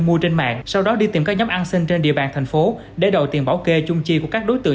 mua trên mạng sau đó đi tìm các nhóm ăn xin trên địa bàn thành phố để đổi tiền bảo kê chung chi của các đối tượng